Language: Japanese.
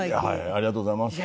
ありがとうございます。